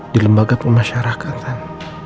di lembaga pemasyarakatan